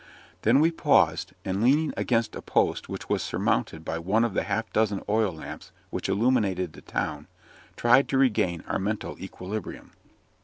Then we paused, and leaning against a post which was surmounted by one of the half dozen oil lamps which illumined the town, tried to regain our mental equilibrium.